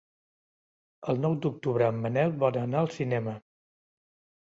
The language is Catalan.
El nou d'octubre en Manel vol anar al cinema.